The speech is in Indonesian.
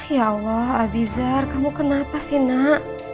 ya allah abizar kamu kenapa sih nak